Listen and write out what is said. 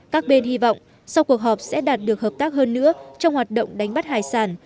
các bên hy vọng sau cuộc họp sẽ đạt được hợp tác hơn nữa trong hoạt động đánh bắt hải sản